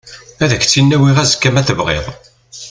Ad ak-tt-in-awiɣ azekka ma tebɣiḍ.